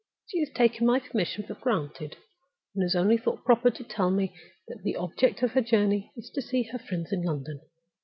She has taken my permission for granted, and she has only thought proper to tell me that the object of her journey is to see her friends in London.